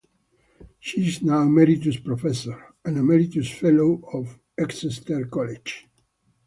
She is now Emeritus Professor, and Emeritus Fellow of Exeter College.